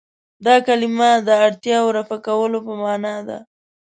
دا کلمه د اړتیاوو رفع کولو په معنا ده.